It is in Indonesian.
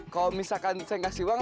kalau misalkan saya kasih uang